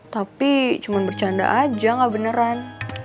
tapi cuma bercanda aja gak beneran